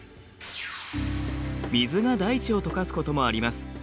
水が大地を溶かすこともあります。